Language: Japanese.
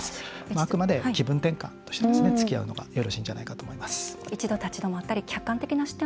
あくまで気分転換としてつきあうのがよろしいかと思います。